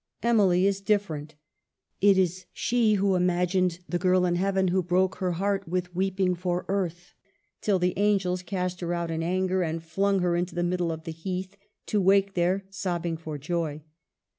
Emily is different. It is she who imagined the girl in heaven who broke her heart with weeping for earth, till the angels cast her out in anger, and flung her into the middle of the heath, to wake there sobbing for joy.